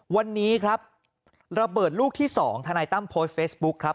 วันนี้ครับระเบิดลูกที่๒ธนายตั้มโพสต์เฟซบุ๊คครับ